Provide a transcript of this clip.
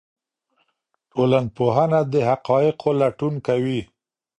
ټولنپوهنه د حقایقو لټون کوي.